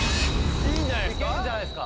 いいんじゃないっすか？